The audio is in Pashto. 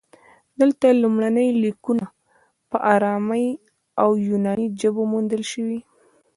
دلته لومړني لیکونه په ارامي او یوناني ژبو موندل شوي